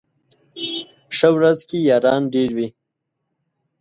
ښه ورځ کي ياران ډېر وي